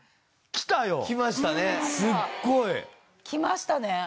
きましたね。